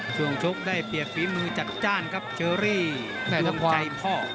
ช่วงชกได้เปรียบฟีมือจัดจ้านครับเชอรี่ดวงใจพ่อ